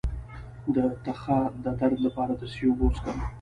د تخه د درد لپاره د څه شي اوبه وڅښم؟